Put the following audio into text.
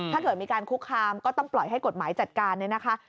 ถ้าเกิดมีการคุกคามก็ต้องปล่อยให้กฎหมายจัดการเนี่ยนะคะ